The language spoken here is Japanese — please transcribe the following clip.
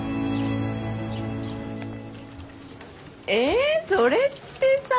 えそれってさ。